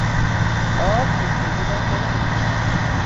آب تشنگی را فرو مینشاند.